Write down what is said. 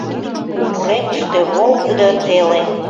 Уремыште — волгыдо теле.